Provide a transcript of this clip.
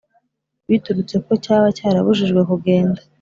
biturutse ko cyaba cyarabujijwe kugenda